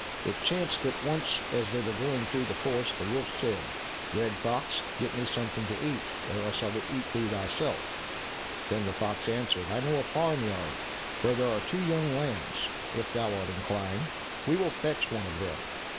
It chanced that once as they were going through the forest, the wolf said, "Red fox, get me something to eat, or else I will eat thee thyself." Then the fox answered, "I know a farm yard where there are two young lambs; if thou art inclined, we will fetch one of them."